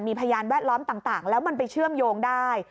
พยานแวดล้อมต่างแล้วมันไปเชื่อมโยงได้